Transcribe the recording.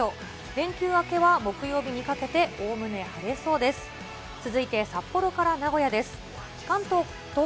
連休明けは木曜日にかけておおむね晴れそうです。わ！